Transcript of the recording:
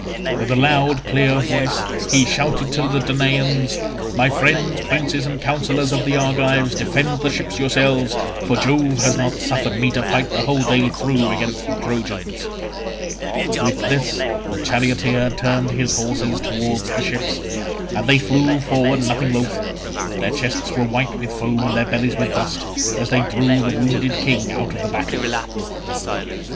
With a loud clear voice he shouted to the Danaans, "My friends, princes and counsellors of the Argives, defend the ships yourselves, for Jove has not suffered me to fight the whole day through against the Trojans." With this the charioteer turned his horses towards the ships, and they flew forward nothing loth. Their chests were white with foam and their bellies with dust, as they drew the wounded king out of the battle.